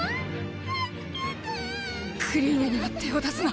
助けてぇクリーネには手を出すな！